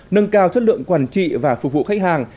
nâng cao chất lượng quản trị và phục vụ khách hàng